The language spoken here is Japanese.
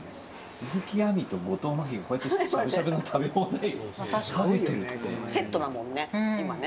鈴木亜美と後藤真希が、こうやってしゃぶしゃぶの食べ放題食べてセットだもんね、今ね。